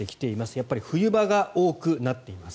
やっぱり冬場が多くなっています。